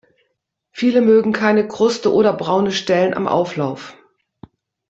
Viele mögen keine Kruste oder braune Stellen am Auflauf.